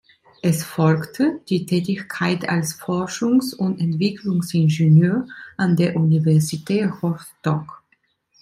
Es folgte die Tätigkeit als Forschungs- und Entwicklungsingenieur an der Universität Rostock.